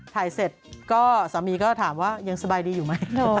ถ่ายเสร็จก็สามีก็ถามว่ายังสบายดีอยู่ไหม